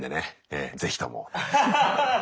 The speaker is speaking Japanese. ええ是非とも。